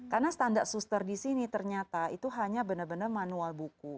karena standar suster di sini ternyata itu hanya benar benar manual buku